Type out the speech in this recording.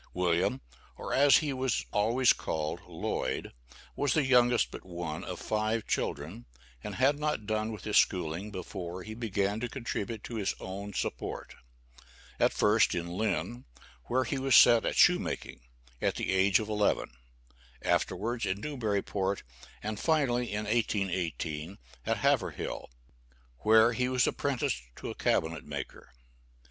William (or as he was always called, Lloyd), was the youngest but one of five children, and had not done with his schooling before he began to contribute to his own support; at first in Lynn, where he was set at shoemaking, at the age of eleven; afterwards in Newburyport, and finally, in 1818, at Haverhill, where he was apprenticed to a cabinet maker.